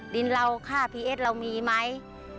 ดินเราค่าพีเอสเรามีไหม